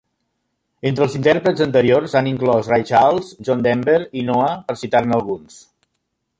Entre els intèrprets anteriors s'han inclòs Ray Charles, John Denver i Noa per citar-ne alguns.